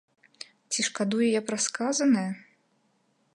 Ці шкадую я пра сказанае?